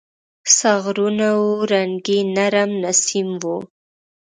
ساغرونه وو رنګین ، نرم نسیم و